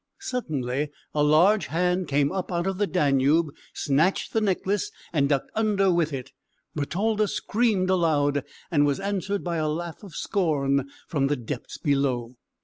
Suddenly a large hand came up out of the Danube, snatched the necklace, and ducked under with it. Bertalda screamed aloud, and was answered by a laugh of scorn from the depths below.